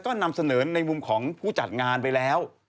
ก็นำเสนอในมุมของผู้จัดงานไปแล้ว